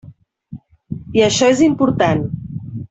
I això és important.